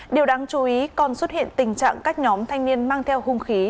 điều đáng chú ý còn xuất hiện tình trạng các nhóm thanh niên mang theo hung khí